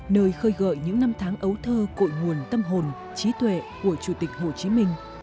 nơi khơi gợi những năm tháng ấu thơ cội nguồn tâm hồn trí tuệ của chủ tịch hồ chí minh